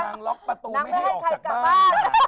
ล็อกประตูไม่ได้ออกจากบ้าน